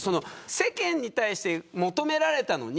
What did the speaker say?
世間に対して求められたのに